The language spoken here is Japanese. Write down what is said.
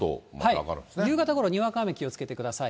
夕方ごろ、にわか雨、気をつけてください。